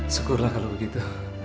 syukurlah kalau begitu